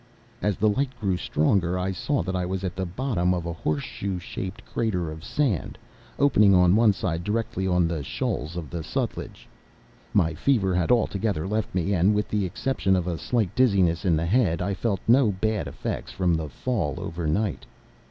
As the light grew stronger I saw that I was at the bottom of a horseshoe shaped crater of sand, opening on one side directly on to the shoals of the Sutlej. My fever had altogether left me, and, with the exception of a slight dizziness in the head, I felt no had effects from the fall over night.